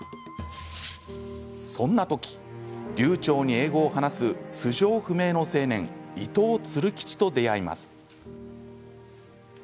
そんな時、流ちょうに英語を話す素性不明の青年伊藤鶴吉と出会います。